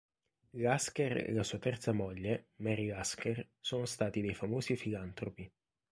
Lasker e la sua terza moglie, Mary Lasker, sono stati dei famosi filantropi.